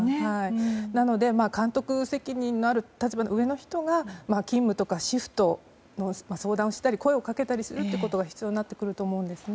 なので、監督責任のある立場の上の人が勤務とかシフトの相談をしたり声をかけたりすることが必要になってくると思います。